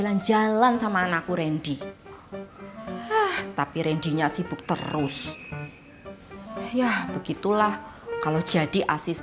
nah sikinya kedatangan tamu di csq